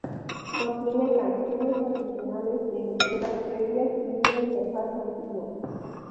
Contiene canciones adicionales de entregas previas y una interfaz antigua.